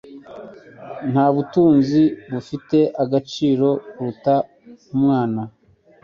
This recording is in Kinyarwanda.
Nta butunzi bufite agaciro kuruta umwana.